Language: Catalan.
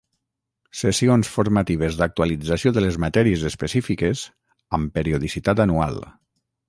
Sessions formatives d'actualització de les matèries específiques, amb periodicitat anual.